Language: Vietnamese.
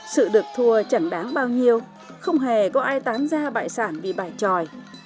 sự được thua chẳng đáng bao nhiêu không hề có ai tán ra bại sản vì bài tròi